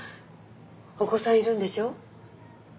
お子さんいるんでしょ